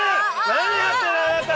何やってるのあなた！